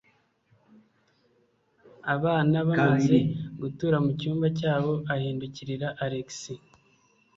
Abana bamaze gutura mucyumba cyabo, ahindukirira Alex.